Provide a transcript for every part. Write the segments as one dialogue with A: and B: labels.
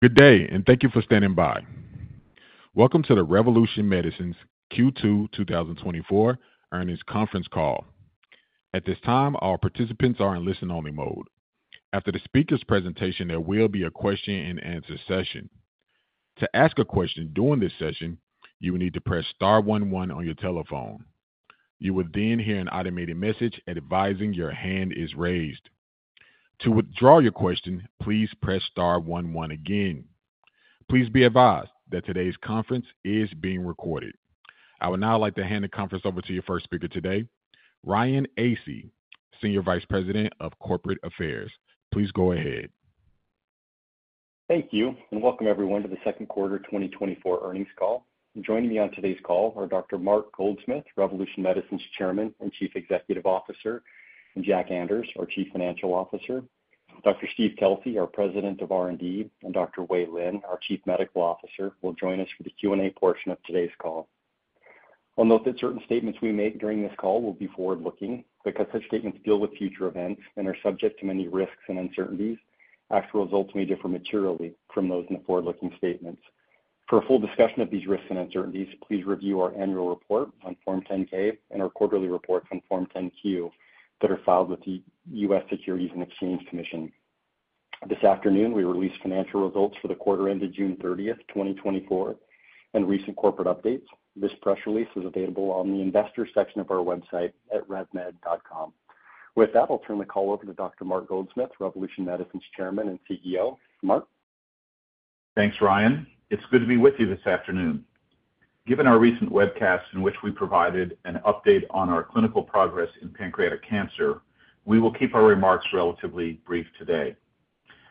A: Good day, and thank you for standing by. Welcome to the Revolution Medicines Q2 2024 Earnings Conference Call. At this time, all participants are in listen-only mode. After the speaker's presentation, there will be a question-and-answer session. To ask a question during this session, you will need to press star one one on your telephone. You will then hear an automated message advising your hand is raised. To withdraw your question, please press star one one again. Please be advised that today's conference is being recorded. I would now like to hand the conference over to your first speaker today, Ryan Asay, Senior Vice President of Corporate Affairs. Please go ahead.
B: Thank you, and welcome everyone to the second quarter 2024 earnings call. Joining me on today's call are Dr. Mark Goldsmith, Revolution Medicines Chairman and Chief Executive Officer, and Jack Anders, our Chief Financial Officer. Dr. Steve Kelsey, our President of R&D, and Dr. Wei Lin, our Chief Medical Officer, will join us for the Q&A portion of today's call. I'll note that certain statements we make during this call will be forward-looking, because such statements deal with future events and are subject to many risks and uncertainties. Actual results may differ materially from those in the forward-looking statements. For a full discussion of these risks and uncertainties, please review our annual report on Form 10-K and our quarterly report on Form 10-Q that are filed with the U.S. Securities and Exchange Commission. This afternoon, we released financial results for the quarter ended June 30, 2024, and recent corporate updates. This press release is available on the investor section of our website at revmed.com. With that, I'll turn the call over to Dr. Mark Goldsmith, Revolution Medicines Chairman and CEO. Mark?
C: Thanks, Ryan. It's good to be with you this afternoon. Given our recent webcast in which we provided an update on our clinical progress in pancreatic cancer, we will keep our remarks relatively brief today.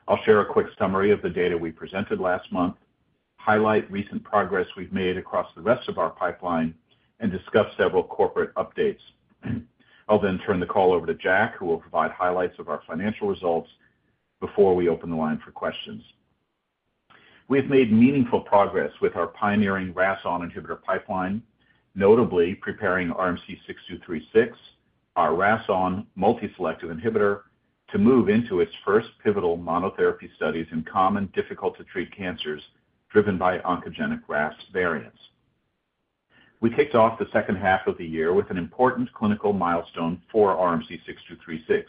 C: I'll share a quick summary of the data we presented last month, highlight recent progress we've made across the rest of our pipeline, and discuss several corporate updates. I'll then turn the call over to Jack, who will provide highlights of our financial results before we open the line for questions. We have made meaningful progress with our pioneering RAS(ON) inhibitor pipeline, notably preparing RMC-6236, our RAS(ON) multi-selective inhibitor, to move into its first pivotal monotherapy studies in common, difficult-to-treat cancers driven by oncogenic RAS variants. We kicked off the second half of the year with an important clinical milestone for RMC-6236.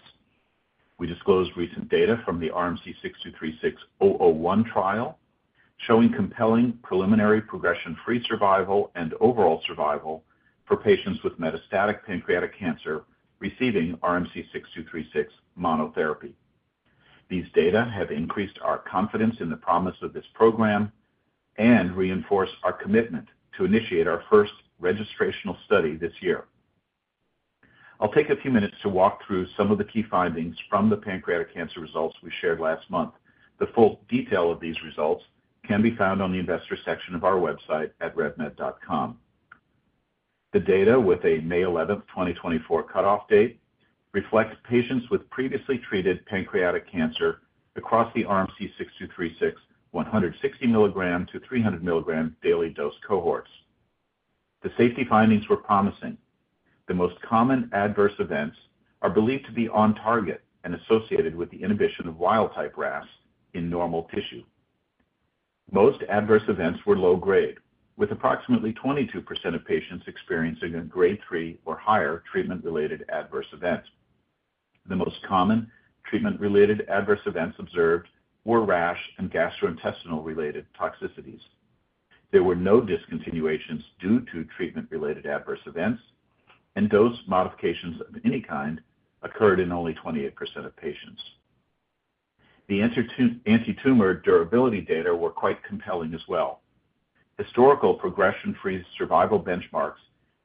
C: We disclosed recent data from the RMC-6236-001 trial, showing compelling preliminary progression-free survival and overall survival for patients with metastatic pancreatic cancer receiving RMC-6236 monotherapy. These data have increased our confidence in the promise of this program and reinforce our commitment to initiate our first registrational study this year. I'll take a few minutes to walk through some of the key findings from the pancreatic cancer results we shared last month. The full detail of these results can be found on the investor section of our website at revmed.com. The data, with a May 11th, 2024 cutoff date, reflects patients with previously treated pancreatic cancer across the RMC-6236 160 mg to 300 mg daily dose cohorts. The safety findings were promising. The most common adverse events are believed to be on target and associated with the inhibition of wild-type RAS in normal tissue. Most adverse events were low grade, with approximately 22% of patients experiencing a grade 3 or higher treatment-related adverse event. The most common treatment-related adverse events observed were rash and gastrointestinal-related toxicities. There were no discontinuations due to treatment-related adverse events, and dose modifications of any kind occurred in only 28% of patients. The antitumor durability data were quite compelling as well. Historical progression-free survival benchmarks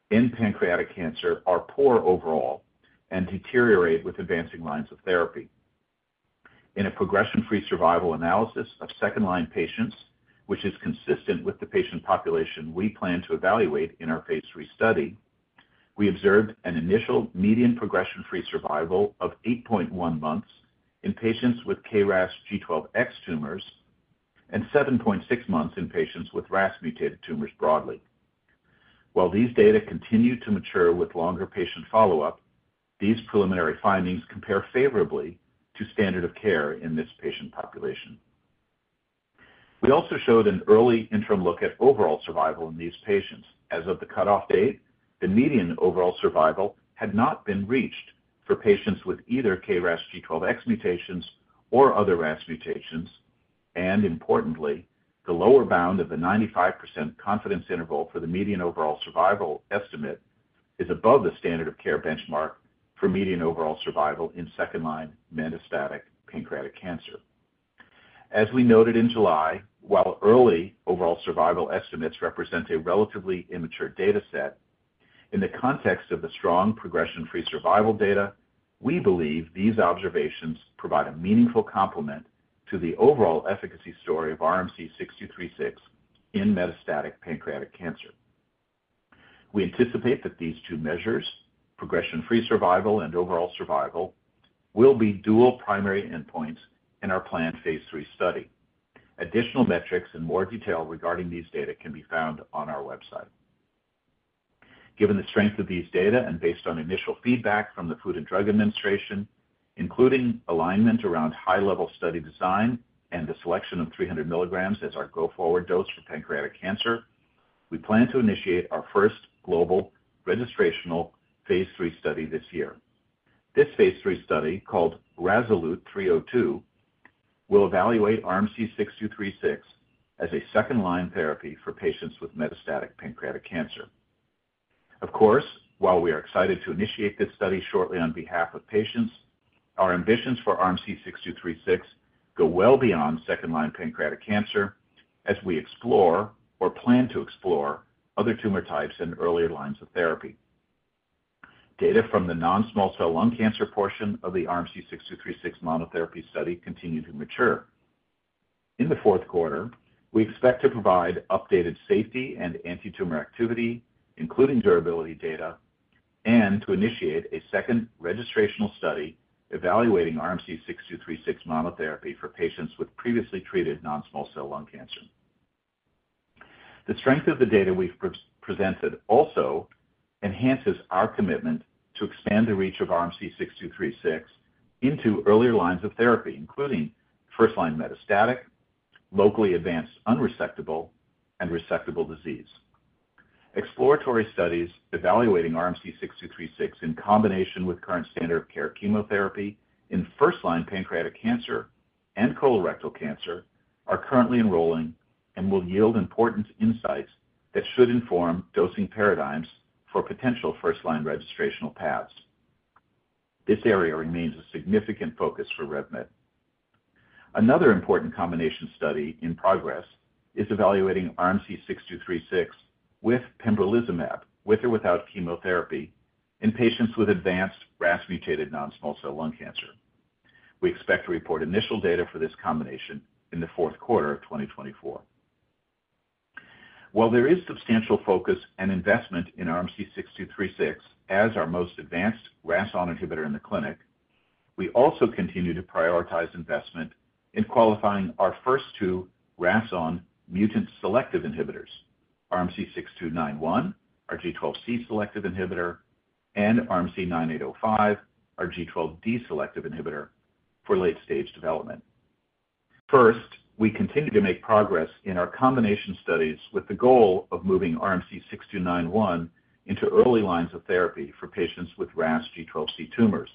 C: in pancreatic cancer are poor overall and deteriorate with advancing lines of therapy. In a progression-free survival analysis of second-line patients, which is consistent with the patient population we plan to evaluate in our phase III study, we observed an initial median progression-free survival of 8.1 months in patients with KRAS G12X tumors and 7.6 months in patients with RAS-mutated tumors broadly. While these data continue to mature with longer patient follow-up, these preliminary findings compare favorably to standard of care in this patient population. We also showed an early interim look at overall survival in these patients. As of the cutoff date, the median overall survival had not been reached for patients with either KRAS G12X mutations or other RAS mutations, and importantly, the lower bound of the 95% confidence interval for the median overall survival estimate is above the standard of care benchmark for median overall survival in second-line metastatic pancreatic cancer. As we noted in July, while early overall survival estimates represent a relatively immature data set, in the context of the strong progression-free survival data, we believe these observations provide a meaningful complement to the overall efficacy story of RMC-6236 in metastatic pancreatic cancer. We anticipate that these two measures, progression-free survival and overall survival, will be dual primary endpoints in our planned phase III study. Additional metrics and more detail regarding these data can be found on our website. Given the strength of these data and based on initial feedback from the Food and Drug Administration, including alignment around high-level study design and the selection of 300 mg as our go-forward dose for pancreatic cancer, we plan to initiate our first global registrational phase III study this year. This phase III study, called RASolute 302, will evaluate RMC-6236 as a second-line therapy for patients with metastatic pancreatic cancer. Of course, while we are excited to initiate this study shortly on behalf of patients, our ambitions for RMC-6236 go well beyond second-line pancreatic cancer as we explore or plan to explore other tumor types in earlier lines of therapy. Data from the non-small cell lung cancer portion of the RMC-6236 monotherapy study continue to mature. In the fourth quarter, we expect to provide updated safety and antitumor activity, including durability data, and to initiate a second registrational study evaluating RMC-6236 monotherapy for patients with previously treated non-small cell lung cancer. The strength of the data we've presented also enhances our commitment to expand the reach of RMC-6236 into earlier lines of therapy, including first-line metastatic, locally advanced unresectable, and resectable disease. Exploratory studies evaluating RMC-6236 in combination with current standard of care chemotherapy in first-line pancreatic cancer and colorectal cancer are currently enrolling and will yield important insights that should inform dosing paradigms for potential first-line registrational paths. This area remains a significant focus for RevMed. Another important combination study in progress is evaluating RMC-6236 with pembrolizumab, with or without chemotherapy, in patients with advanced RAS-mutated non-small cell lung cancer. We expect to report initial data for this combination in the fourth quarter of 2024. While there is substantial focus and investment in RMC-6236 as our most advanced RAS(ON) inhibitor in the clinic, we also continue to prioritize investment in qualifying our first two RAS(ON) mutant-selective inhibitors, RMC-6291, our G12C selective inhibitor, and RMC-9805, our G12D selective inhibitor, for late-stage development. First, we continue to make progress in our combination studies with the goal of moving RMC-6291 into early lines of therapy for patients with RAS G12C tumors.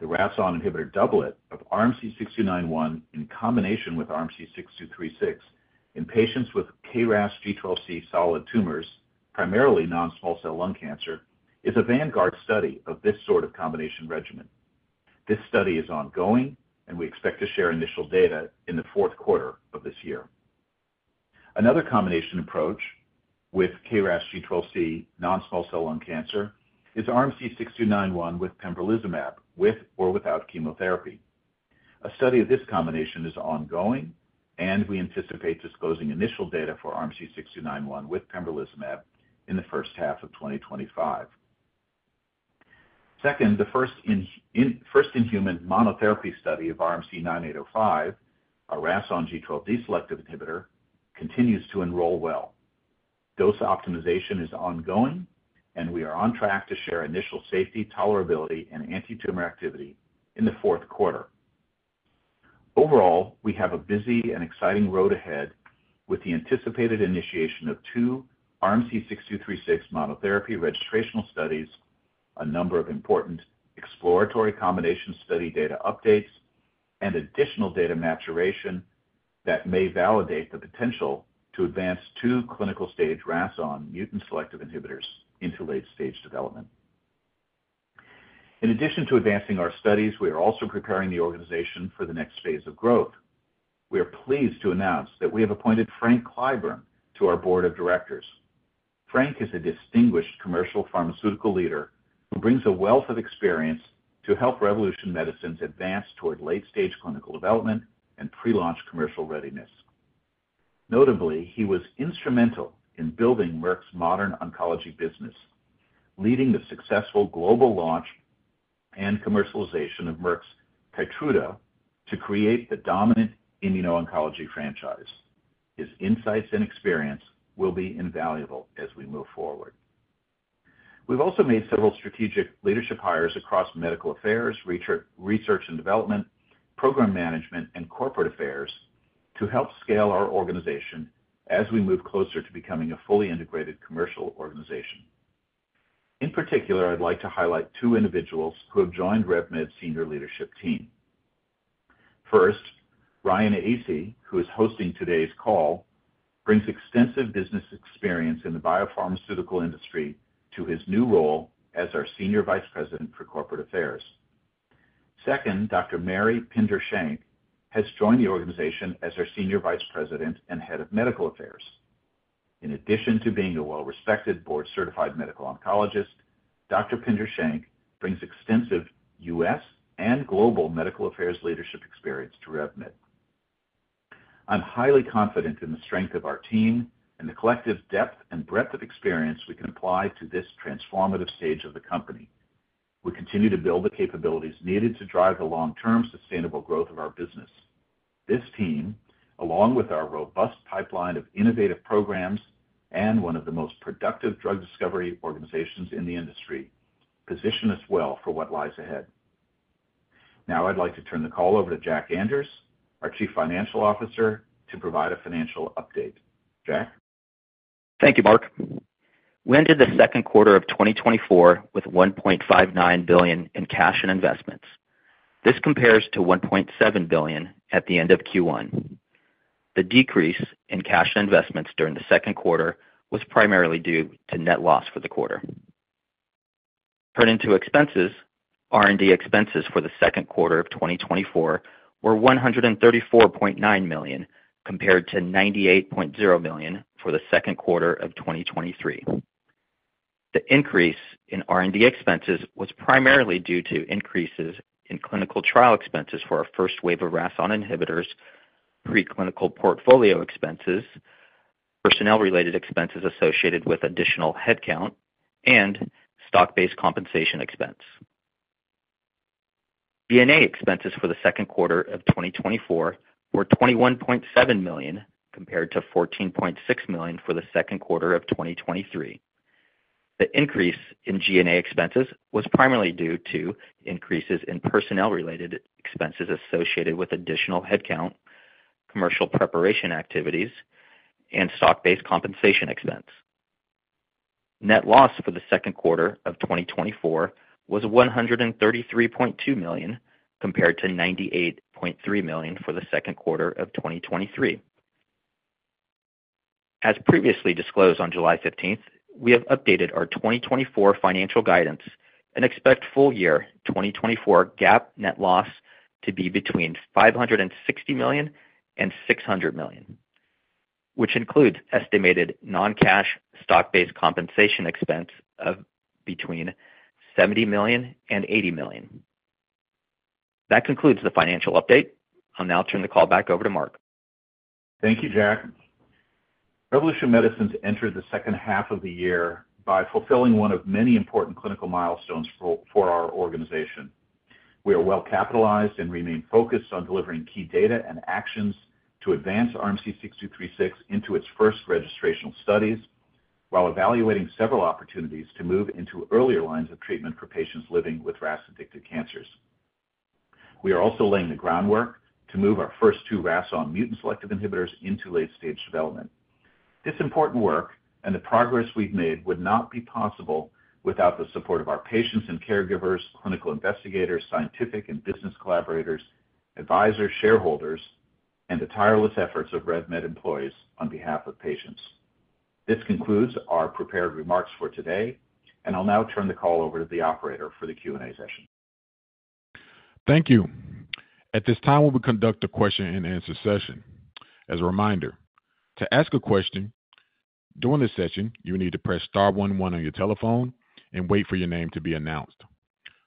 C: The RAS(ON) inhibitor doublet of RMC-6291 in combination with RMC-6236 in patients with KRAS G12C solid tumors, primarily non-small cell lung cancer, is a vanguard study of this sort of combination regimen. This study is ongoing, and we expect to share initial data in the fourth quarter of this year. Another combination approach with KRAS G12C non-small cell lung cancer is RMC-6291 with pembrolizumab, with or without chemotherapy. A study of this combination is ongoing, and we anticipate disclosing initial data for RMC-6291 with pembrolizumab in the first half of 2025. Second, the first-in-human monotherapy study of RMC-9805, a RAS(ON) G12D selective inhibitor, continues to enroll well. Dose optimization is ongoing, and we are on track to share initial safety, tolerability, and antitumor activity in the fourth quarter. Overall, we have a busy and exciting road ahead with the anticipated initiation of two RMC-6236 monotherapy registrational studies, a number of important exploratory combination study data updates, and additional data maturation that may validate the potential to advance two clinical-stage RAS(ON) mutant-selective inhibitors into late-stage development. In addition to advancing our studies, we are also preparing the organization for the next phase of growth. We are pleased to announce that we have appointed Frank Clyburn to our board of directors. Frank is a distinguished commercial pharmaceutical leader who brings a wealth of experience to help Revolution Medicines advance toward late-stage clinical development and pre-launch commercial readiness. Notably, he was instrumental in building Merck's modern oncology business, leading the successful global launch and commercialization of Merck's Keytruda to create the dominant immuno-oncology franchise. His insights and experience will be invaluable as we move forward. We've also made several strategic leadership hires across medical affairs, research and development, program management, and corporate affairs to help scale our organization as we move closer to becoming a fully integrated commercial organization. In particular, I'd like to highlight two individuals who have joined RevMed's senior leadership team. First, Ryan Asay, who is hosting today's call, brings extensive business experience in the biopharmaceutical industry to his new role as our Senior Vice President for Corporate Affairs. Second, Dr. Mary Pinder-Schenck has joined the organization as our Senior Vice President and Head of Medical Affairs. In addition to being a well-respected board-certified medical oncologist, Dr. Pinder-Schenck brings extensive U.S. and global medical affairs leadership experience to RevMed. I'm highly confident in the strength of our team and the collective depth and breadth of experience we can apply to this transformative stage of the company. We continue to build the capabilities needed to drive the long-term sustainable growth of our business. This team, along with our robust pipeline of innovative programs and one of the most productive drug discovery organizations in the industry, position us well for what lies ahead. Now I'd like to turn the call over to Jack Anders, our Chief Financial Officer, to provide a financial update. Jack?
D: Thank you, Mark. We entered the second quarter of 2024 with $1.59 billion in cash and investments. This compares to $1.7 billion at the end of Q1. The decrease in cash and investments during the second quarter was primarily due to net loss for the quarter. Turning to expenses, R&D expenses for the second quarter of 2024 were $134.9 million, compared to $98.0 million for the second quarter of 2023. The increase in R&D expenses was primarily due to increases in clinical trial expenses for our first wave of RAS(ON) inhibitors, preclinical portfolio expenses, personnel-related expenses associated with additional headcount, and stock-based compensation expense. G&A expenses for the second quarter of 2024 were $21.7 million, compared to $14.6 million for the second quarter of 2023. The increase in G&A expenses was primarily due to increases in personnel-related expenses associated with additional headcount, commercial preparation activities, and stock-based compensation expense. Net loss for the second quarter of 2024 was $133.2 million, compared to $98.3 million for the second quarter of 2023. As previously disclosed on July 15th, we have updated our 2024 financial guidance and expect full year 2024 GAAP net loss to be between $560 million and $600 million, which includes estimated non-cash stock-based compensation expense of between $70 million and $80 million. That concludes the financial update. I'll now turn the call back over to Mark.
C: Thank you, Jack. Revolution Medicines entered the second half of the year by fulfilling one of many important clinical milestones for our organization. We are well capitalized and remain focused on delivering key data and actions to advance RMC-6236 into its first registrational studies, while evaluating several opportunities to move into earlier lines of treatment for patients living with RAS-addicted cancers. We are also laying the groundwork to move our first two RAS(ON) mutant selective inhibitors into late-stage development. This important work and the progress we've made would not be possible without the support of our patients and caregivers, clinical investigators, scientific and business collaborators, advisors, shareholders, and the tireless efforts of RevMed employees on behalf of patients. This concludes our prepared remarks for today, and I'll now turn the call over to the operator for the Q&A session.
A: Thank you. At this time, we will conduct a question-and-answer session. As a reminder, to ask a question during this session, you need to press star one one on your telephone and wait for your name to be announced.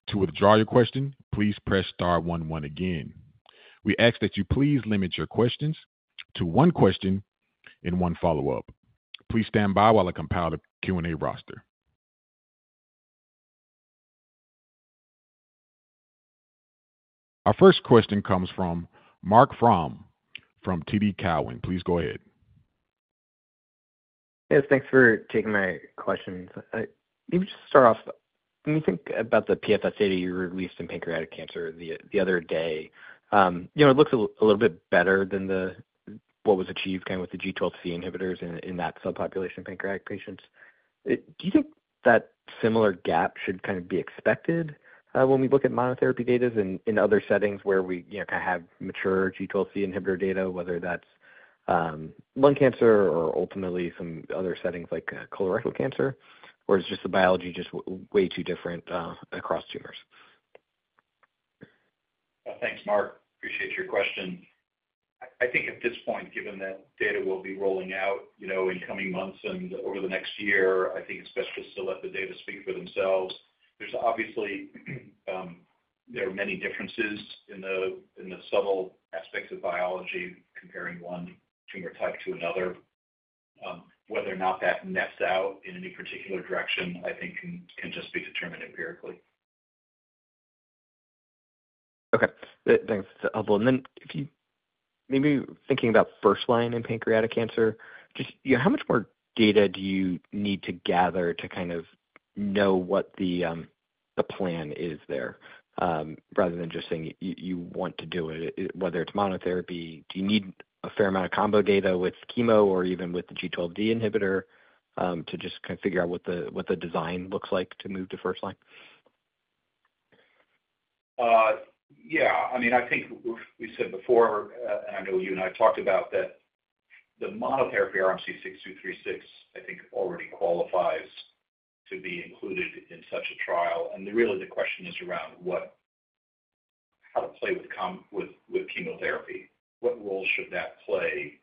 A: To withdraw your question, please press star one one again. We ask that you please limit your questions to one question and one follow-up. Please stand by while I compile the Q&A roster. Our first question comes from Marc Frahm from TD Cowen. Please go ahead.
E: Yes, thanks for taking my questions. Let me just start off, when you think about the PFS data you released in pancreatic cancer the other day, you know, it looks a little bit better than what was achieved kind of with the G12C inhibitors in that subpopulation of pancreatic patients. Do you think that similar gap should kind of be expected, when we look at monotherapy data in other settings where we, you know, kind of have mature G12C inhibitor data, whether that's lung cancer or ultimately some other settings like colorectal cancer? Or is just the biology way too different across tumors?
C: Thanks, Mark. Appreciate your question. I think at this point, given that data will be rolling out, you know, in coming months and over the next year, I think it's best to still let the data speak for themselves. There's obviously there are many differences in the subtle aspects of biology comparing one tumor type to another. Whether or not that nets out in any particular direction, I think can just be determined empirically.
E: Okay. Thanks. And then maybe thinking about first line in pancreatic cancer, just, you know, how much more data do you need to gather to kind of know what the, the plan is there, rather than just saying you, you want to do it, whether it's monotherapy? Do you need a fair amount of combo data with chemo or even with the G12D inhibitor, to just kind of figure out what the, what the design looks like to move to first line?
C: Yeah. I mean, I think we said before, and I know you and I talked about, that the monotherapy RMC-6236, I think, already qualifies to be included in such a trial. Really, the question is around how to play with chemotherapy. What role should that play?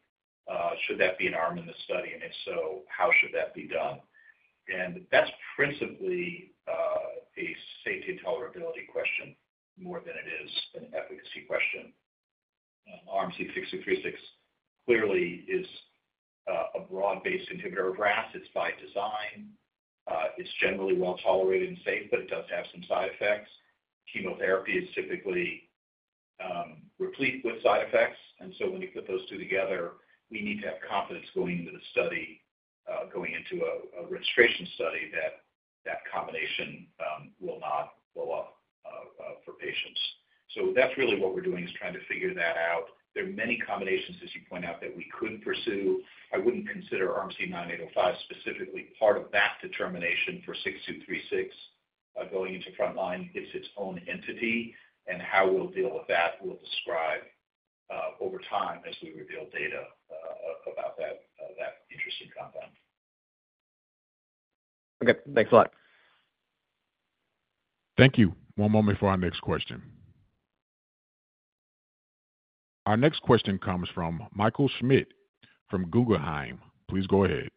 C: Should that be an arm in the study, and if so, how should that be done? That's principally a safety and tolerability question more than it is an efficacy question. RMC-6236 clearly is a broad-based inhibitor of RAS. It's by design. It's generally well tolerated and safe, but it does have some side effects. Chemotherapy is typically replete with side effects, and so when you put those two together, we need to have confidence going into the study, going into a registration study that that combination will not blow up for patients. So that's really what we're doing, is trying to figure that out. There are many combinations, as you point out, that we could pursue. I wouldn't consider RMC-9805 specifically part of that determination for RMC-6236 going into frontline. It's its own entity, and how we'll deal with that, we'll describe over time as we reveal data about that that interesting compound.
E: Okay. Thanks a lot.
A: Thank you. One moment for our next question. Our next question comes from Michael Schmidt from Guggenheim. Please go ahead.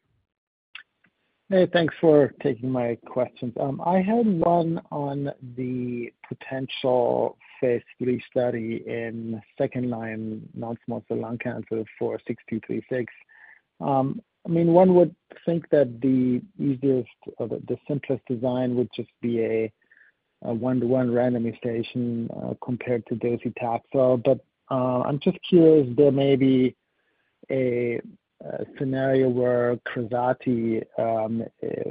F: Hey, thanks for taking my questions. I had one on the potential phase III study in second-line non-small cell lung cancer for 6236. I mean, one would think that the easiest or the simplest design would just be a 1:1 randomization compared to docetaxel. But, I'm just curious, there may be a scenario where Krazati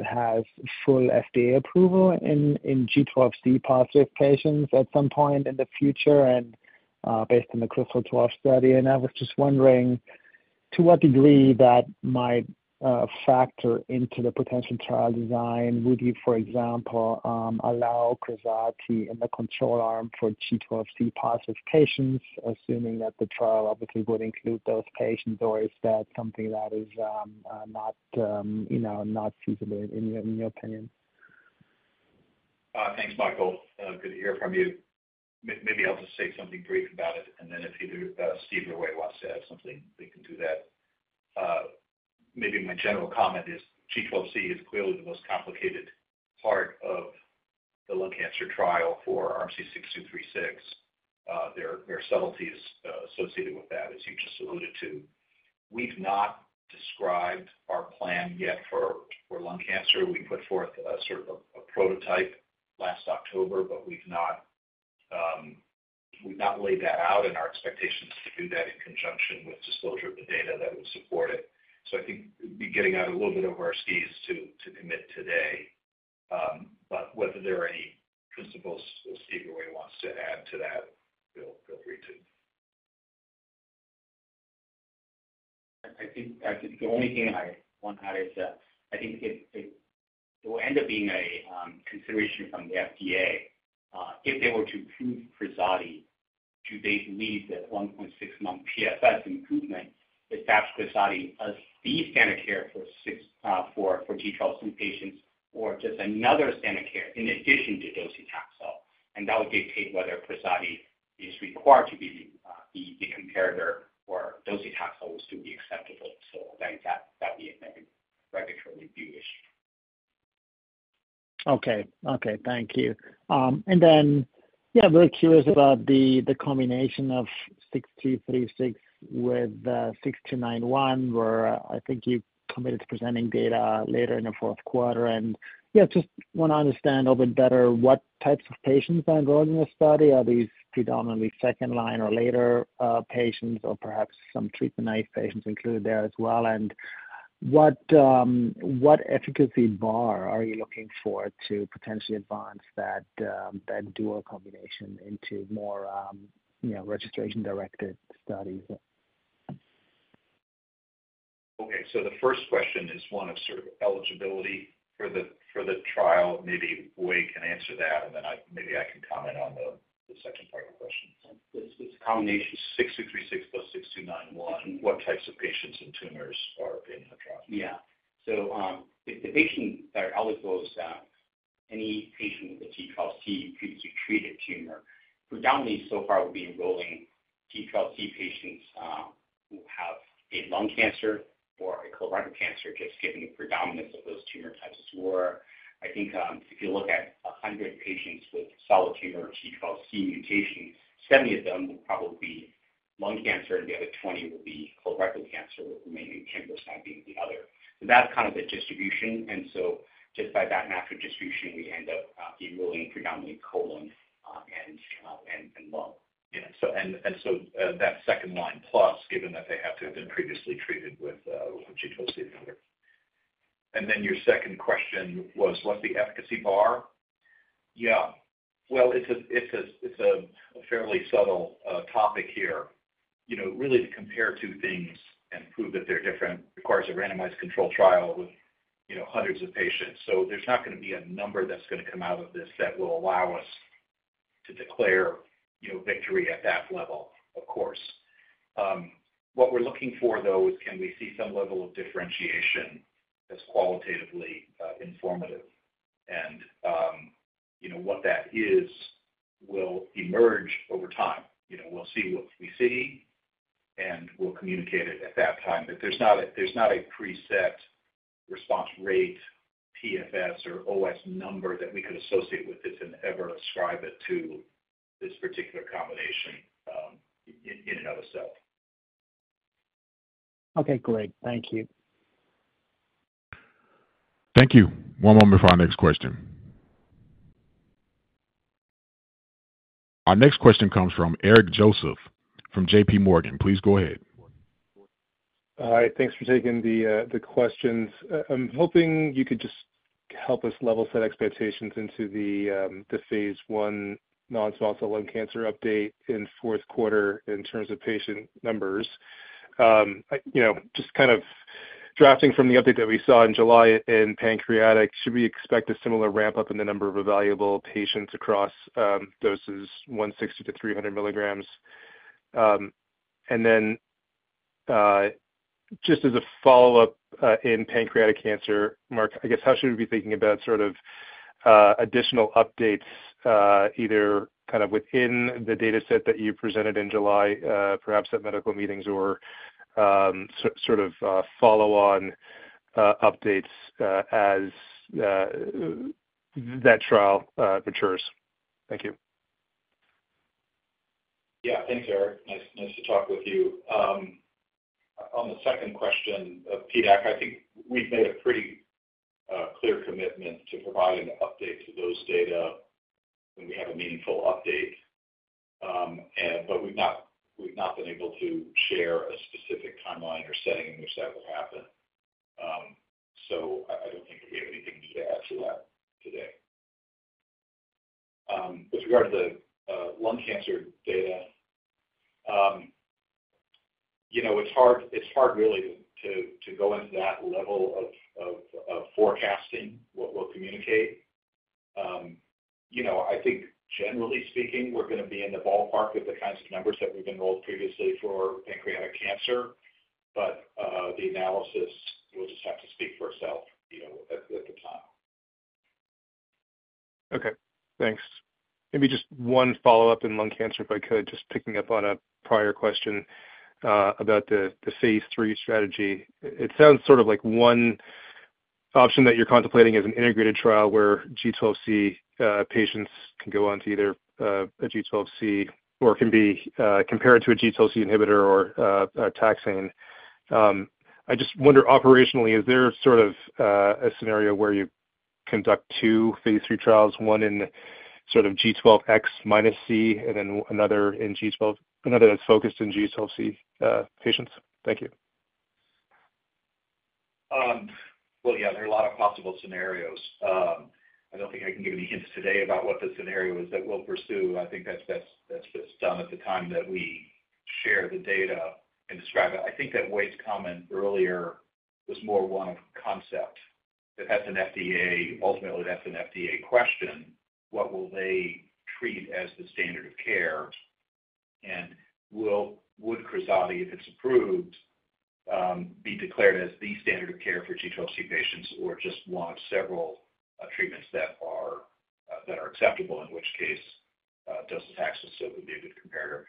F: has full FDA approval in G12C-positive patients at some point in the future and, based on the KRYSTAL-12 study. And I was just wondering, to what degree that might factor into the potential trial design. Would you, for example, allow Krazati in the control arm for G12C-positive patients, assuming that the trial obviously would include those patients, or is that something that is, not, you know, not feasible in your, in your opinion?
C: Thanks, Michael. Good to hear from you. Maybe I'll just say something brief about it, and then if either Steve or Wei wants to add something, they can do that. Maybe my general comment is G12C is clearly the most complicated part of the lung cancer trial for RMC-6236. There are, there are subtleties associated with that, as you just alluded to. We've not described our plan yet for lung cancer. We put forth a sort of a prototype last October, but we've not laid that out, and our expectation is to do that in conjunction with disclosure of the data that would support it. So I think we'd be getting out a little bit over our skis to commit today, but whether there are any principles that Steve or Wei wants to add to that, feel free to.
G: I think the only thing I want to add is that I think it will end up being a consideration from the FDA, if they were to approve Krazati, do they believe that 1.6-month PFS improvement is that Krazati as the standard of care for G12C patients, or just another standard of care in addition to docetaxel? And that would dictate whether Krazati is required to be the comparator, or docetaxel is to be acceptable. So that'd be a regulatory view issue.
F: Okay. Okay, thank you. And then, yeah, very curious about the, the combination of 6236 with 6291, where I think you committed to presenting data later in the fourth quarter. And, yeah, just want to understand a bit better what types of patients are going in this study. Are these predominantly second line or later patients, or perhaps some treatment-naive patients included there as well? And what, what efficacy bar are you looking for to potentially advance that, that dual combination into more, you know, registration-directed studies?
C: Okay, so the first question is one of sort of eligibility for the, for the trial. Maybe Wei can answer that, and then I, maybe I can comment on the, the second part of the question. Combination 6236 + 6291, what types of patients and tumors are in the trial?
G: Yeah. So, the patients are eligible is any patient with a G12C previously treated tumor. Predominantly so far, we'll be enrolling G12C patients who have a lung cancer or a colorectal cancer, just given the predominance of those tumor types, or I think, if you look at 100 patients with solid tumor G12C mutations, 70 of them will probably be lung cancer, and the other 20 will be colorectal cancer, with the remaining 10% being the other. So that's kind of the distribution, and so just by that natural distribution, we end up enrolling predominantly colon and lung.
C: Yeah, so and, and so, that second line, plus given that they have to have been previously treated with, G12C inhibitor. And then your second question was what's the efficacy bar? Yeah. Well, it's a, it's a, it's a fairly subtle topic here. You know, really to compare two things and prove that they're different requires a randomized control trial with, you know, hundreds of patients. So there's not gonna be a number that's gonna come out of this that will allow us to declare, you know, victory at that level, of course. What we're looking for, though, is can we see some level of differentiation that's qualitatively informative? And, you know, what that is will emerge over time. You know, we'll see what we see, and we'll communicate it at that time. But there's not a, there's not a preset response rate, PFS or OS number that we could associate with this and ever ascribe it to this particular combination, in and of itself.
F: Okay, great. Thank you.
A: Thank you. One moment for our next question. Our next question comes from Eric Joseph from JPMorgan. Please go ahead.
H: Hi, thanks for taking the, the questions. I'm hoping you could just help us level set expectations into the, the phase I non-small cell lung cancer update in fourth quarter in terms of patient numbers. I, you know, just kind of drafting from the update that we saw in July in pancreatic, should we expect a similar ramp-up in the number of evaluable patients across, doses 160 mg-300 mg? And then, just as a follow-up, in pancreatic cancer, Mark, I guess how should we be thinking about sort of, additional updates, either kind of within the data set that you presented in July, perhaps at medical meetings or, so sort of, follow-on, updates, as, that trial, matures? Thank you.
C: Yeah. Thanks, Eric. Nice to talk with you. On the second question of PDAC, I think we've made a pretty clear commitment to providing an update to those data when we have a meaningful update. But we've not been able to share a specific timeline or setting in which that will happen. So I don't think we have anything to add to that today. With regard to the lung cancer data, you know, it's hard really to go into that level of forecasting what we'll communicate. You know, I think generally speaking, we're gonna be in the ballpark of the kinds of numbers that we've enrolled previously for pancreatic cancer, but the analysis will just have to speak for itself, you know, at the time.
H: Okay, thanks. Maybe just one follow-up in lung cancer, if I could, just picking up on a prior question, about the phase III strategy. It sounds sort of like one option that you're contemplating is an integrated trial where G12C patients can go on to either a G12C or can be compared to a G12C inhibitor or a taxane. I just wonder operationally, is there sort of a scenario where you conduct two phase III trials, one in sort of G12X minus C, and then another in G12, another that's focused in G12C patients? Thank you.
C: Well, yeah, there are a lot of possible scenarios. I don't think I can give any hints today about what the scenario is that we'll pursue. I think that's, that's, that's just done at the time that we share the data and describe it. I think that Wade's comment earlier was more one of concept, that that's an FDA question. Ultimately, that's an FDA question. What will they treat as the standard of care? And would Krazati, if it's approved, be declared as the standard of care for G12C patients, or just one of several treatments that are, that are acceptable, in which case, docetaxel still would be a good comparer.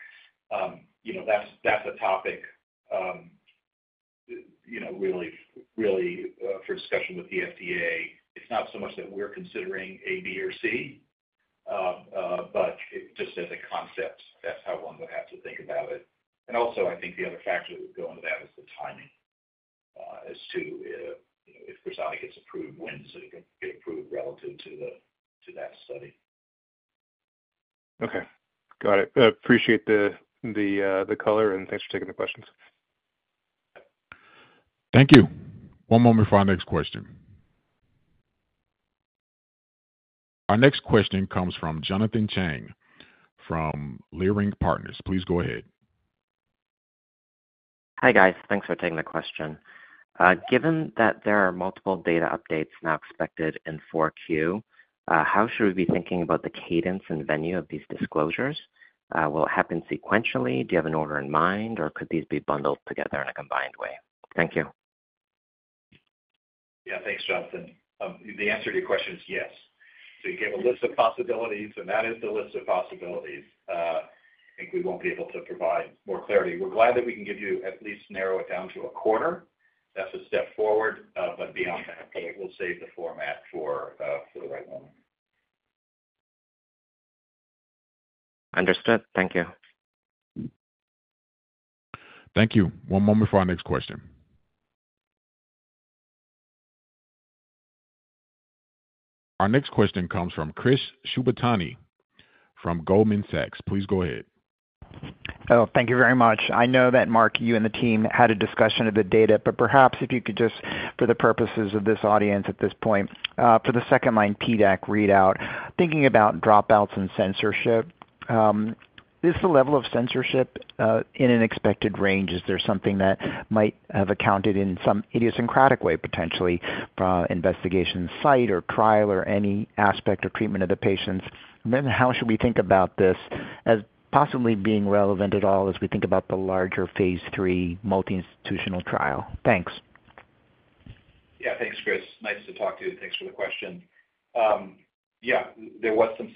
C: You know, that's, that's a topic, you know, really, really, for discussion with the FDA. It's not so much that we're considering A, B, or C, but just as a concept, that's how one would have to think about it. And also, I think the other factor that would go into that is the timing, as to, you know, if Krazati gets approved, when does it get approved relative to the, to that study.
H: Okay, got it. Appreciate the color, and thanks for taking the questions.
A: Thank you. One moment for our next question. Our next question comes from Jonathan Chang from Leerink Partners. Please go ahead.
I: Hi, guys. Thanks for taking the question. Given that there are multiple data updates now expected in 4Q, how should we be thinking about the cadence and venue of these disclosures? Will it happen sequentially? Do you have an order in mind, or could these be bundled together in a combined way? Thank you.
C: Yeah, thanks, Jonathan. The answer to your question is yes. So you gave a list of possibilities, and that is the list of possibilities. I think we won't be able to provide more clarity. We're glad that we can give you at least narrow it down to a quarter. That's a step forward, but beyond that, I think we'll save the format for for the right moment.
I: Understood. Thank you.
A: Thank you. One moment for our next question. Our next question comes from Chris Shibutani from Goldman Sachs. Please go ahead.
J: Oh, thank you very much. I know that, Mark, you and the team had a discussion of the data, but perhaps if you could, just for the purposes of this audience at this point, for the second line, PDAC readout, thinking about dropouts and censoring, is the level of censoring in an expected range? Is there something that might have accounted in some idiosyncratic way, potentially, investigational site or trial or any aspect or treatment of the patients? And then how should we think about this as possibly being relevant at all as we think about the larger phase III multi-institutional trial? Thanks.
C: Yeah, thanks, Chris. Nice to talk to you. Thanks for the question. Yeah, there was some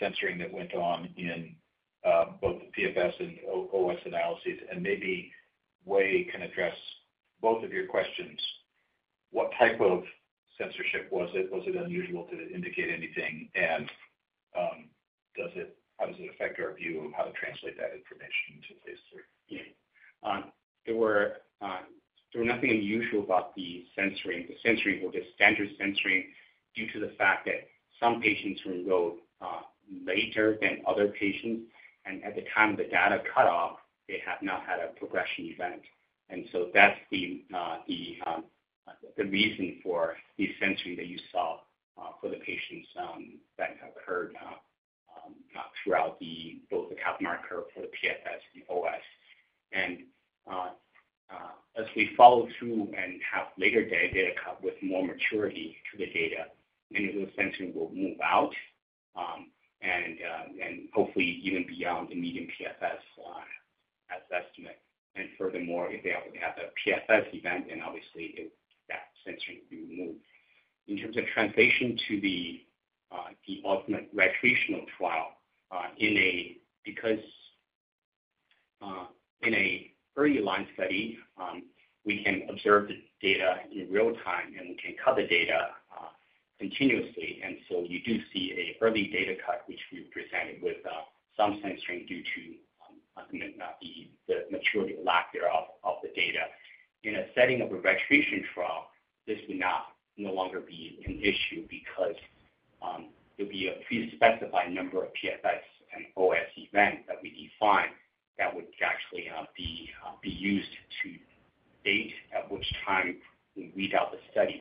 C: censoring that went on in both the PFS and OS analyses, and maybe Wei can address both of your questions. What type of censoring was it? Was it unusual? Did it indicate anything? And, how does it affect our view of how to translate that information to this setting, you know?
G: There were nothing unusual about the censoring. The censoring were just standard censoring due to the fact that some patients were enrolled later than other patients, and at the time of the data cutoff, they had not had a progression event. So that's the reason for the censoring that you saw for the patients that occurred throughout both the Kaplan-Meier for the PFS, the OS. As we follow through and have later data cutoff with more maturity to the data, many of those censoring will move out, and hopefully even beyond the median PFS as estimated. Furthermore, if they have a PFS event then obviously that censoring will be removed. In terms of translation to the ultimate registrational trial, in an early line study, we can observe the data in real time, and we can cut the data continuously, and so you do see an early data cut, which we presented with some censoring due to the maturity or lack thereof of the data. In a setting of a registration trial, this would not no longer be an issue because there'll be a pre-specified number of PFS and OS events that we define that would actually be used to date, at which time we read out the study.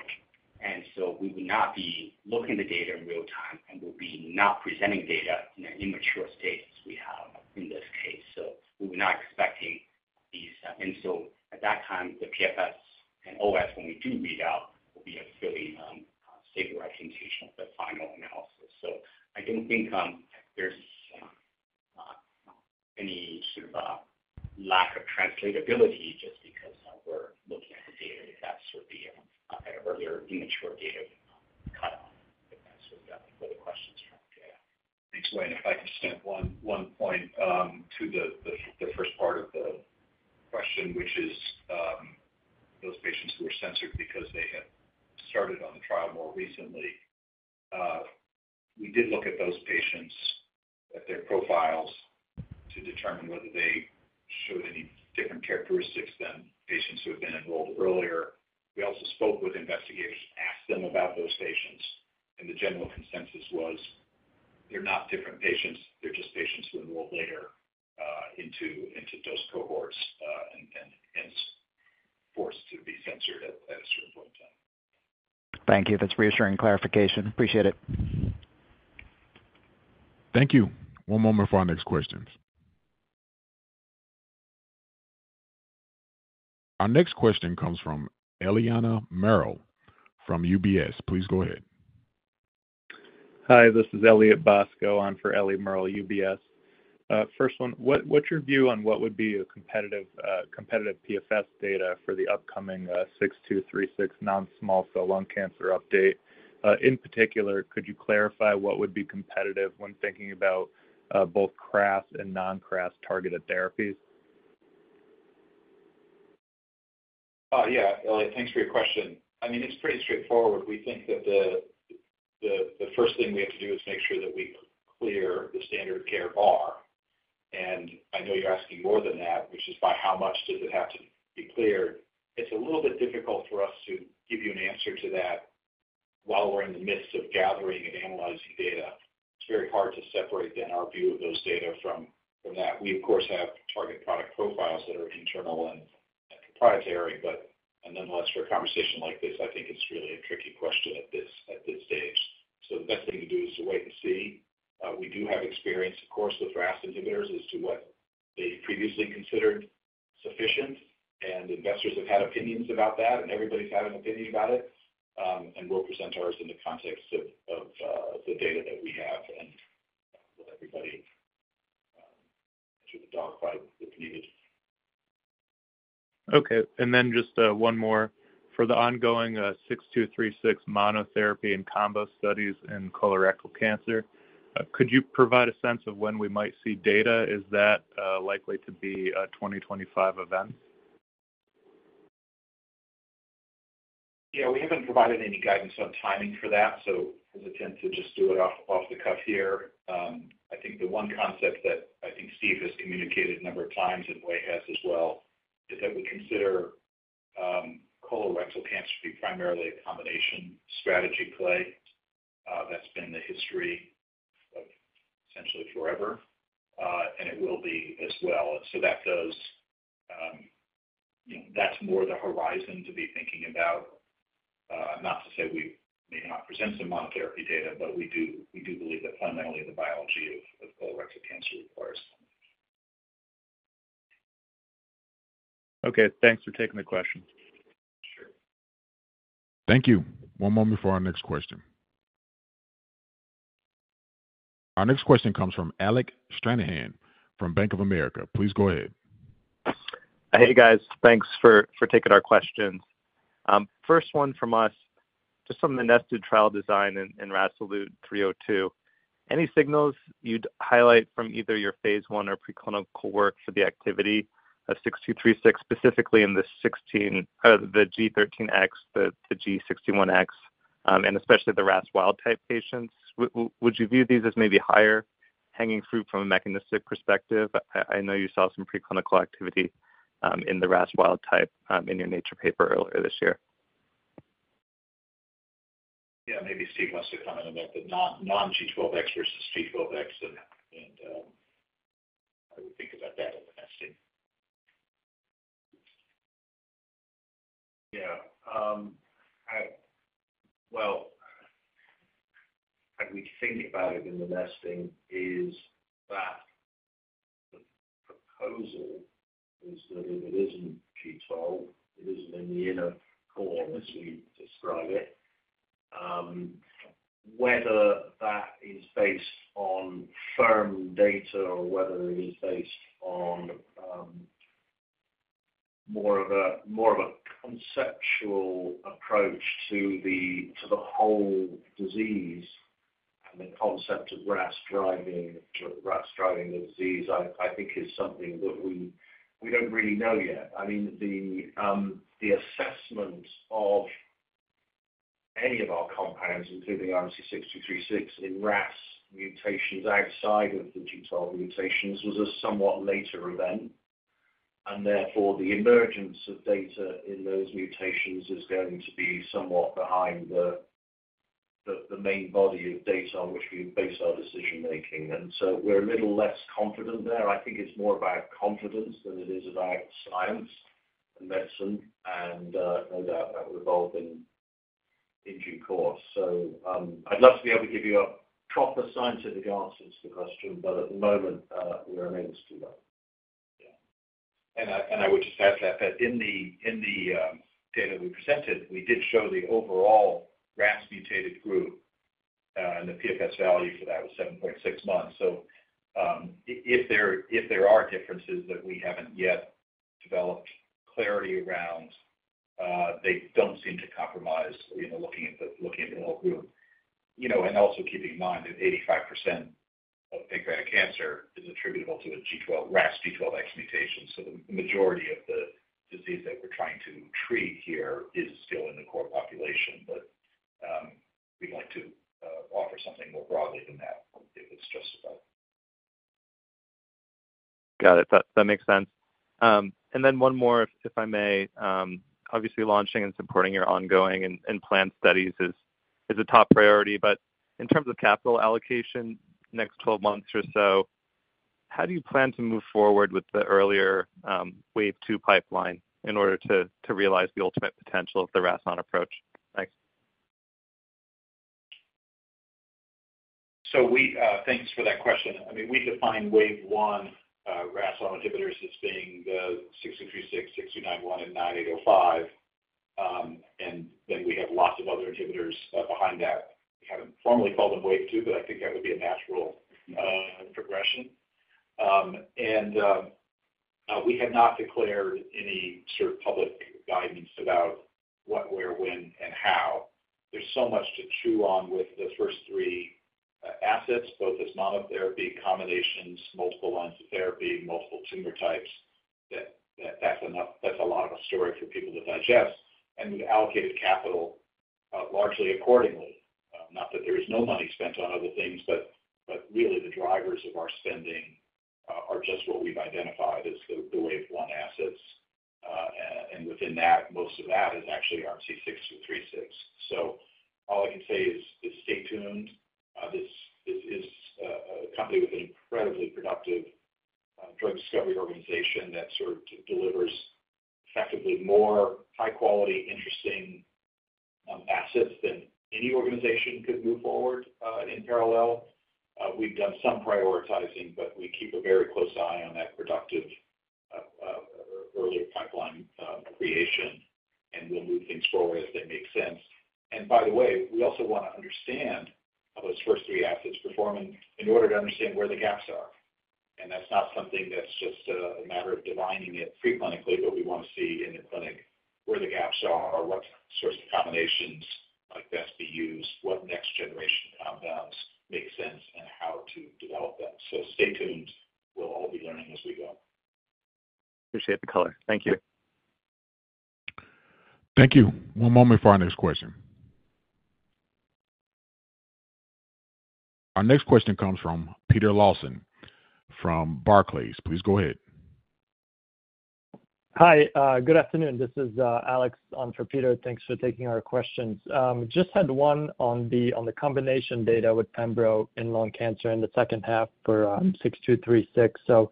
G: And so we would not be looking the data in real time, and we'll be not presenting data in an immature state as we have in this case. So we were not expecting these.At that time, the PFS and OS, when we do read out,
K: First one, what's your view on what would be a competitive PFS data for the upcoming 6236 non-small cell lung cancer update? In particular, could you clarify what would be competitive when thinking about both KRAS and non-KRAS targeted therapies?
C: Yeah, Elliott, thanks for your question. I mean, it's pretty straightforward. We think that the first thing we have to do is make sure that we clear the standard of care bar. And I know you're asking more than that, which is by how much does it have to be cleared? It's a little bit difficult for us to give you an answer to that while we're in the midst of gathering and analyzing data. It's very hard to separate then our view of those data from that. We, of course, have target product profiles that are internal and proprietary, but nonetheless, for a conversation like this, I think it's really a tricky question at this stage. So the best thing to do is to wait and see. We do have experience, of course, with RAS inhibitors as to what they previously considered sufficient, and investors have had opinions about that, and everybody's had an opinion about it. And we'll present ours in the context of the data that we have and with everybody through the dogfight, if needed.
K: Okay, and then just one more. For the ongoing 6236 monotherapy and combo studies in colorectal cancer, could you provide a sense of when we might see data? Is that likely to be a 2025 event?
C: Yeah, we haven't provided any guidance on timing for that, so I'll attempt to just do it off the cuff here. I think the one concept that I think Steve has communicated a number of times, and Wei has as well, is that we consider colorectal cancer to be primarily a combination strategy play. That's been the history of essentially forever, and it will be as well. So that does, you know, that's more the horizon to be thinking about. Not to say we may not present some monotherapy data, but we do, we do believe that fundamentally, the biology of colorectal cancer requires.
K: Okay, thanks for taking the question.
C: Sure.
A: Thank you. One moment before our next question. Our next question comes from Alec Stranahan from Bank of America. Please go ahead.
L: Hey, guys. Thanks for taking our questions. First one from us, just on the nested trial design in RASolute 302, any signals you'd highlight from either your phase I or preclinical work for the activity of 6236, specifically in the G12X, the G13X, the G61X, and especially the RAS wild-type patients? Would you view these as maybe higher hanging fruit from a mechanistic perspective? I know you saw some preclinical activity in the RAS wild-type in your Nature paper earlier this year.
C: Yeah, maybe Steve wants to comment about the non-G12X versus G12X and how we think about that in the nesting.
M: Yeah. Well, how we think about it in the nesting is that the proposal is that if it isn't G12, it isn't in the inner core, as we describe it. Whether that is based on firm data or whether it is based on more of a conceptual approach to the whole disease and the concept of RAS driving, RAS driving the disease, I think is something that we don't really know yet. I mean, the assessment of any of our compounds, including RMC-6236 in RAS mutations outside of the G12 mutations, was a somewhat later event, and therefore, the emergence of data in those mutations is going to be somewhat behind the main body of data on which we base our decision making. And so we're a little less confident there. I think it's more about confidence than it is about science and medicine, and no doubt that will evolve in due course. So, I'd love to be able to give you a proper scientific answer to the question, but at the moment, we are unable to do that.
C: Yeah. And I would just add to that, that in the data we presented, we did show the overall RAS mutated group, and the PFS value for that was 7.6 months. So, if there are differences that we haven't yet developed clarity around, they don't seem to compromise, you know, looking at the whole group. You know, and also keeping in mind that 85% of pancreatic cancer is attributable to a G12 RAS G12X mutation. So the majority of the disease that we're trying to treat here is still in the core population, but we'd like to offer something more broadly than that if it's just about.
L: Got it. That makes sense. And then one more, if I may. Obviously, launching and supporting your ongoing and planned studies is a top priority, but in terms of capital allocation, next 12 months or so, how do you plan to move forward with the earlier wave two pipeline in order to realize the ultimate potential of the RAS(ON) approach? Thanks.
C: So we thanks for that question. I mean, we define wave one RAS(ON) inhibitors as being the 6236, 6291, and 9805. And then we have lots of other inhibitors behind that. We haven't formally called them wave two, but I think that would be a natural progression. And we have not declared any sort of public guidance about what, where, when, and how. There's so much to chew on with the first three assets, both as monotherapy, combinations, multiple lines of therapy, multiple tumor types, that that's enough, that's a lot of story for people to digest. And we've allocated capital largely accordingly. Not that there is no money spent on other things, but really the drivers of our spending are just what we've identified as the wave one assets. And within that, most of that is actually RMC-6236. So all I can say is stay tuned. This is a company with an incredibly productive drug discovery organization that sort of delivers effectively more high quality, interesting assets than any organization could move forward in parallel. We've done some prioritizing, but we keep a very close eye on that productive early pipeline creation, and we'll move things forward as they make sense. And by the way, we also want to understand how those first three assets performing in order to understand where the gaps are. That's not something that's just a matter of defining it preclinically, but we want to see in the clinic where the gaps are, or what sorts of combinations like best to use, what next generation compounds make sense, and how to develop them. Stay tuned. We'll all be learning as we go.
L: Appreciate the color. Thank you.
A: Thank you. One moment for our next question. Our next question comes from Peter Lawson from Barclays. Please go ahead.
N: Hi, good afternoon. This is, Alex on for Peter. Thanks for taking our questions. Just had one on the, on the combination data with pembro in lung cancer in the second half for, 6236. So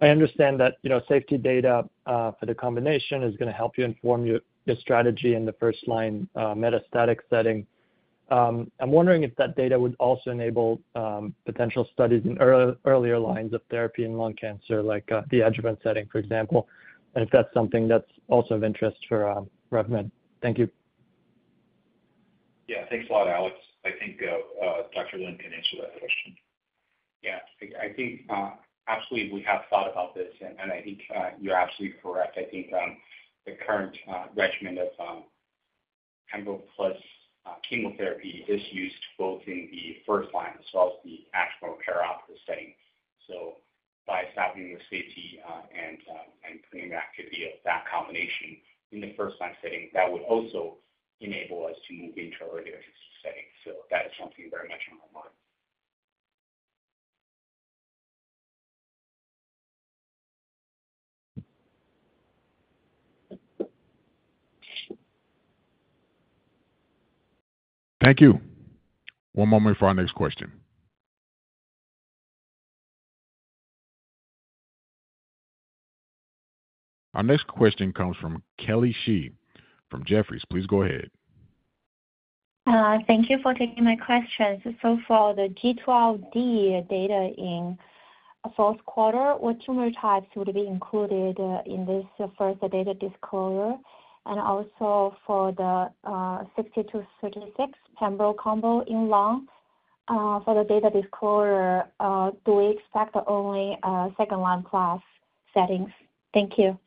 N: I understand that, you know, safety data, for the combination is gonna help you inform your, your strategy in the first-line, metastatic setting. I'm wondering if that data would also enable, potential studies in earlier lines of therapy in lung cancer, like, the adjuvant setting, for example, and if that's something that's also of interest for, RevMed. Thank you.
C: .Yeah, thanks a lot, Alex. I think Dr. Lin can answer that question.
G: Yeah, I think absolutely, we have thought about this, and I think you're absolutely correct. I think the current regimen of pembro plus chemotherapy is used both in the first line as well as the outpatient curative setting. So by establishing the safety and efficacy of that combination in the first line setting, that would also enable us to move into earlier settings. So that is something very much on my mind.
A: Thank you. One moment for our next question. Our next question comes from Kelly Shi from Jefferies. Please go ahead.
O: Thank you for taking my questions. So for the G12D data in fourth quarter, what tumor types would be included in this first data disclosure? And also for the 6236 pembro combo in lung, for the data disclosure, do we expect only second line class settings? Thank you.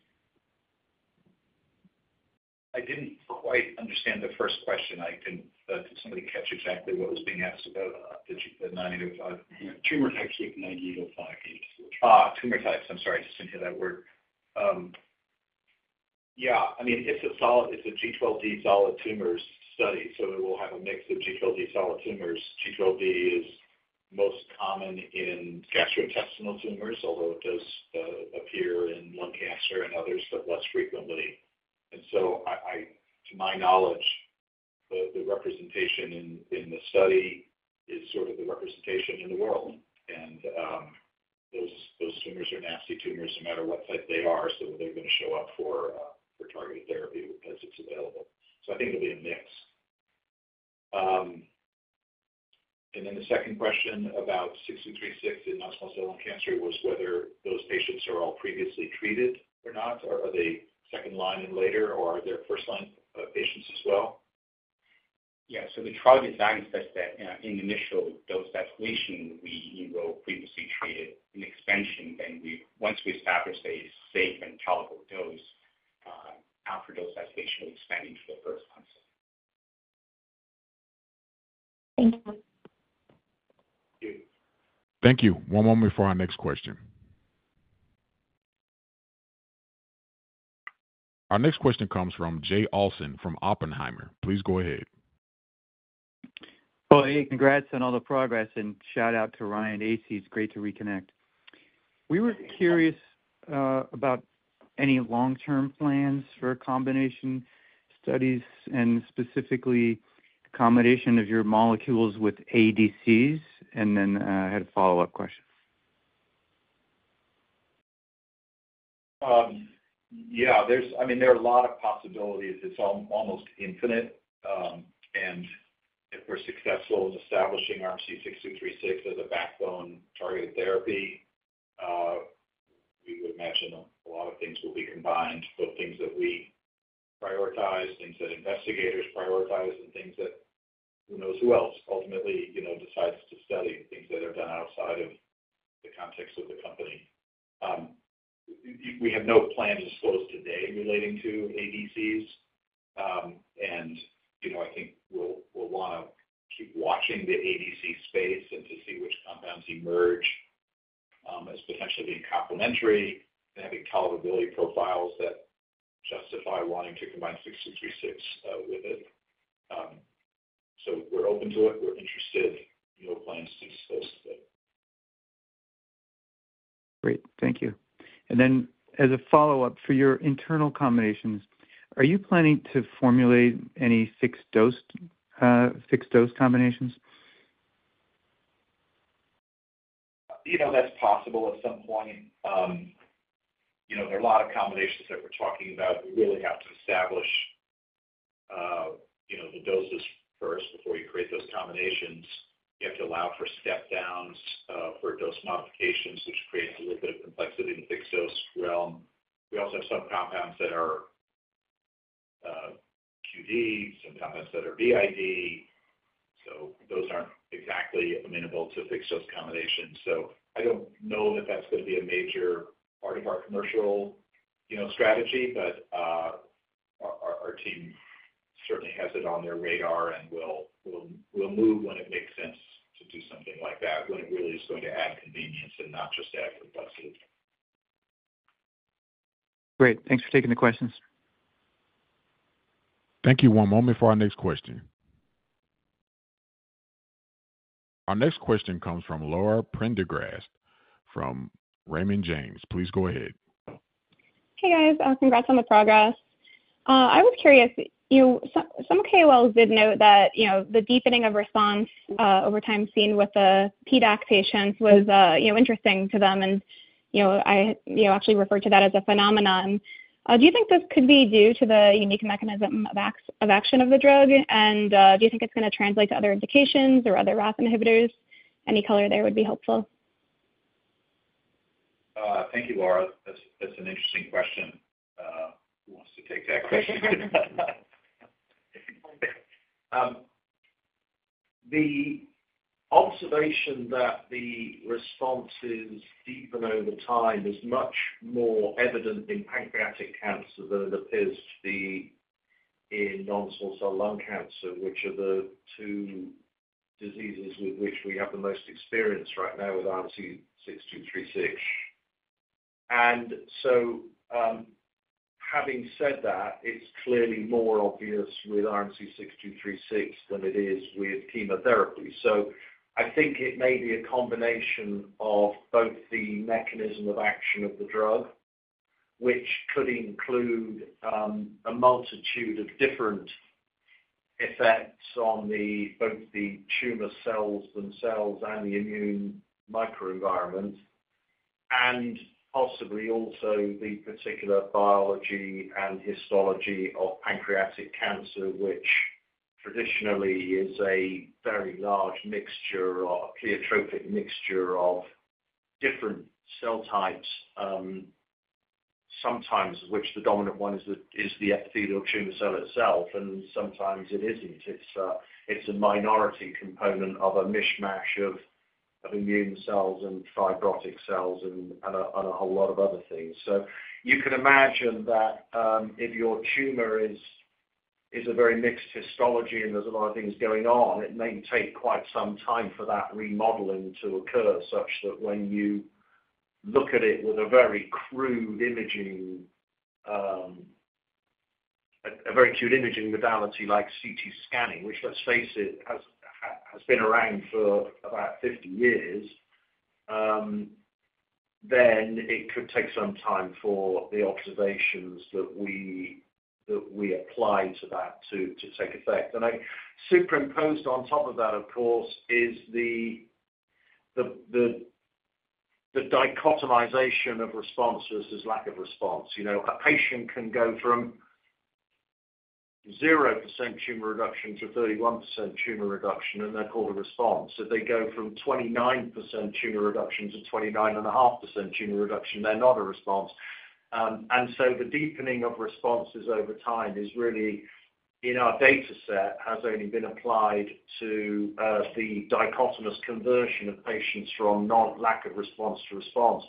C: I didn't quite understand the first question. I can, did somebody catch exactly what was being asked about, the 9805?
G: Tumor types, 9805.
C: Ah, tumor types. I'm sorry, I just didn't hear that word. Yeah, I mean, it's a solid, it's a G12D solid tumors study, so it will have a mix of G12D solid tumors. G12D is most common in gastrointestinal tumors, although it does appear in lung cancer and others, but less frequently. And so I, to my knowledge, the representation in the study is sort of the representation in the world. And those tumors are nasty tumors no matter what type they are, so they're going to show up for targeted therapy as it's available. So I think it'll be a mix. And then the second question about RMC-6236 in non-small cell lung cancer was whether those patients are all previously treated or not, or are they second line and later, or are there first line patients as well?
G: Yeah, so the trial design says that, in the initial dose escalation, we enroll previously treated in expansion, then once we establish a safe and tolerable dose, after dose escalation, expanding to the first line.
O: Thank you.
A: Thank you. One moment before our next question. Our next question comes from Jay Olson from Oppenheimer. Please go ahead.
P: Well, hey, congrats on all the progress, and shout out to Ryan Asay. It's great to reconnect. We were curious about any long-term plans for combination studies and specifically accommodation of your molecules with ADCs, and then I had a follow-up question.
C: Yeah, there's. I mean, there are a lot of possibilities. It's almost infinite. And if we're successful in establishing RMC-6236 as a backbone targeted therapy, we would imagine a lot of things will be combined. Both things that we prioritize, things that investigators prioritize, and things that, who knows who else, ultimately, you know, decides to study, things that are done outside of the context of the company. We have no plans as of today relating to ADCs. And, you know, I think we'll wanna keep watching the ADC space and to see which compounds emerge, as potentially being complementary and having tolerability profiles that justify wanting to combine RMC-6236 with it. So we're open to it. We're interested, no plans to disclose today.
P: Great, thank you. And then, as a follow-up, for your internal combinations, are you planning to formulate any fixed dose, fixed dose combinations?
C: You know, that's possible at some point. You know, there are a lot of combinations that we're talking about. We really have to establish, you know, the doses first before you create those combinations. You have to allow for step downs, for dose modifications, which creates a little bit of complexity in the fixed dose realm. We also have some compounds that are, QD, some compounds that are BID, so those aren't exactly amenable to fixed dose combinations. So I don't know that that's going to be a major part of our commercial, you know, strategy, but, our team certainly has it on their radar and will move when it makes sense to do something like that, when it really is going to add convenience and not just add complexity.
P: Great. Thanks for taking the questions.
A: Thank you. One moment for our next question. Our next question comes from Laura Prendergast, from Raymond James. Please go ahead.
Q: Hey, guys, congrats on the progress. I was curious, you know, some KOLs did note that, you know, the deepening of response over time seen with the PDAC patients was, you know, interesting to them, and, you know, I actually referred to that as a phenomenon. Do you think this could be due to the unique mechanism of action of the drug? And, do you think it's gonna translate to other indications or other RAS inhibitors? Any color there would be helpful.
M: Thank you, Laura. That's, that's an interesting question. Who wants to take that question? The observation that the response is deepened over time is much more evident in pancreatic cancer than it appears to be in non-small cell lung cancer, which are the two diseases with which we have the most experience right now with RMC-6236. And so, having said that, it's clearly more obvious with RMC-6236 than it is with chemotherapy. So I think it may be a combination of both the mechanism of action of the drug, which could include a multitude of different effects on both the tumor cells themselves and the immune microenvironment, and possibly also the particular biology and histology of pancreatic cancer, which traditionally is a very large mixture or a pleiotropic mixture of different cell types. Sometimes, which the dominant one is the epithelial tumor cell itself, and sometimes it isn't. It's a minority component of a mishmash of immune cells and fibrotic cells and a whole lot of other things. So you can imagine that, if your tumor is a very mixed histology and there's a lot of things going on, it may take quite some time for that remodeling to occur, such that when you look at it with a very crude imaging modality like CT scanning, which, let's face it, has been around for about 50 years, then it could take some time for the observations that we apply to that to take effect. Superimposed on top of that, of course, is the dichotomization of responses as lack of response. You know, a patient can go from 0% tumor reduction to 31% tumor reduction, and they're called a response. If they go from 29% tumor reduction to 29.5% tumor reduction, they're not a response. And so the deepening of responses over time is really, in our dataset, has only been applied to the dichotomous conversion of patients from non-lack of response to response,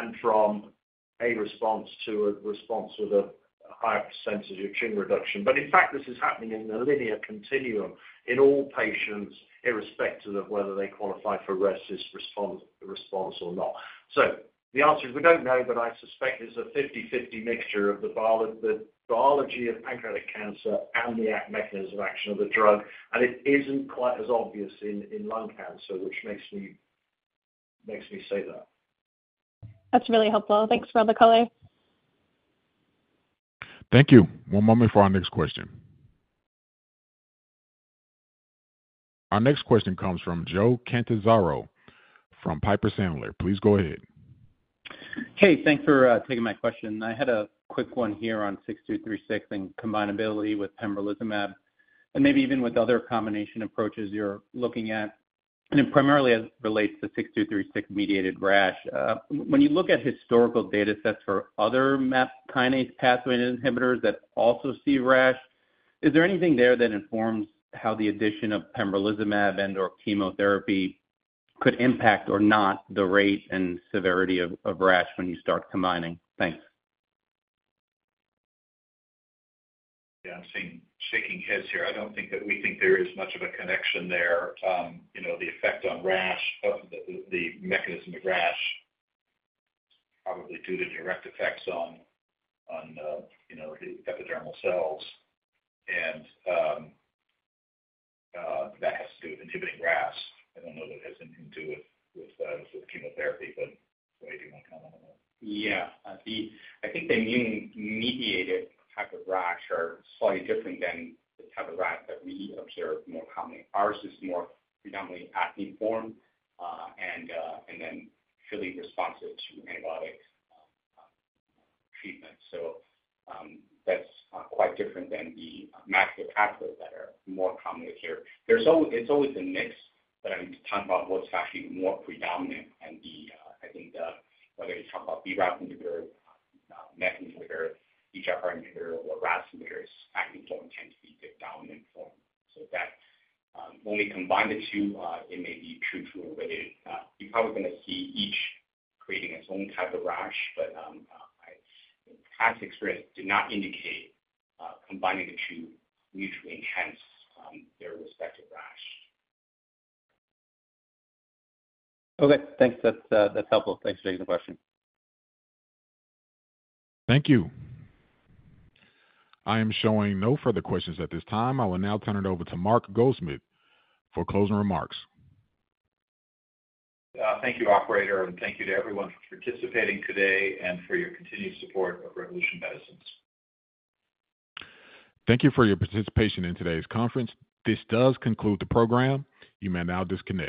M: and from a response to a response with a higher percentage of tumor reduction. But in fact, this is happening in a linear continuum in all patients, irrespective of whether they qualify for RECIST response or not. So the answer is we don't know, but I suspect it's a 50/50 mixture of the biology of pancreatic cancer and the action, mechanism of action of the drug, and it isn't quite as obvious in lung cancer, which makes me say that.
Q: That's really helpful. Thanks for the color.
A: Thank you. One moment for our next question. Our next question comes from Joe Catanzaro from Piper Sandler. Please go ahead.
R: Hey, thanks for taking my question. I had a quick one here on 6236 and combinability with pembrolizumab, and maybe even with other combination approaches you're looking at, and it primarily as relates to 6236-mediated rash. When you look at historical datasets for other MAP kinase pathway inhibitors that also see rash, is there anything there that informs how the addition of pembrolizumab and/or chemotherapy could impact or not, the rate and severity of rash when you start combining? Thanks.
M: Yeah, I'm seeing shaking heads here. I don't think that we think there is much of a connection there. You know, the effect on RAS, the mechanism of RAS is probably due to direct effects on, you know, the epidermal cells. That has to do with inhibiting RAS. I don't know that it has anything to do with the chemotherapy, but Wei, do you want to comment on that?
G: Yeah. The immune-mediated type of rash are slightly different than the type of rash that we observe more commonly. Ours is more predominantly acneiform, and then fully responsive to antibiotic treatment. So, that's quite different than the maculopapular that are more commonly here. It's always a mix, but I'm talking about what's actually more predominant. And, I think the whether you talk about BRAF inhibitor, MEK inhibitor, EGFR inhibitor, or RAS inhibitors, acne don't tend to be the dominant form. So that, when we combine the two, it may be true to related. You're probably gonna see each creating its own type of rash, but past experience do not indicate combining the two mutually enhance their respective rash.
R: Okay, thanks. That's, that's helpful. Thanks for taking the question.
A: Thank you. I am showing no further questions at this time. I will now turn it over to Mark Goldsmith for closing remarks.
C: Thank you, operator, and thank you to everyone for participating today and for your continued support of Revolution Medicines.
A: Thank you for your participation in today's conference. This does conclude the program. You may now disconnect.